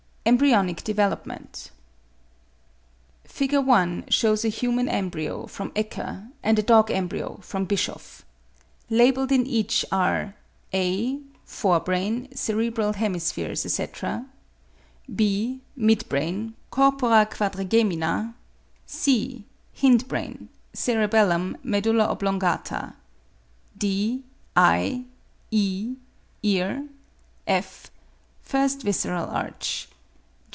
EMBRYONIC DEVELOPMENT. [Fig. 1. Shows a human embryo, from Ecker, and a dog embryo, from Bischoff. Labelled in each are: a. Fore brain, cerebral hemispheres, etc. b. Mid brain, corpora quadrigemina. c. Hind brain, cerebellum, medulla oblongata. d. Eye. e. Ear. f. First visceral arch.